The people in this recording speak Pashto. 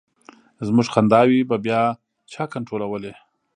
زمونږ خنداوې به بیا چا کنټرولولې.